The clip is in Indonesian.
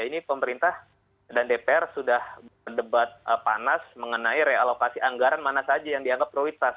ini pemerintah dan dpr sudah berdebat panas mengenai realokasi anggaran mana saja yang dianggap prioritas